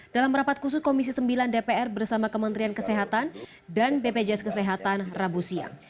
dalam rapat khusus komisi sembilan dpr bersama kementerian kesehatan dan bpjs kesehatan rabu siang